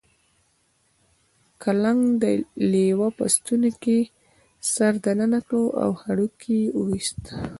کلنګ د لیوه په ستوني کې سر دننه کړ او هډوکی یې وویست.